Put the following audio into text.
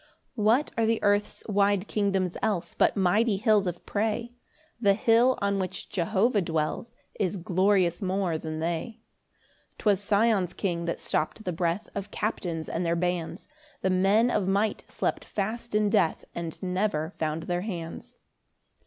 4 What are the earth's wide kingdoms else But mighty hills of prey? The hill on which Jehovah dwells Is glorious more than they. 5 'Twas Sion's King that stopt the breath Of captains and their bands: The men of might slept fast in death, And never found their hands.